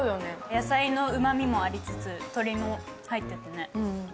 野菜のうまみもありつつ鶏も入っててね。